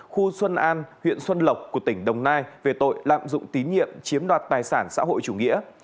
khu xuân an huyện xuân lộc của tỉnh đồng nai về tội lạm dụng tín nhiệm chiếm đoạt tài sản xã hội chủ nghĩa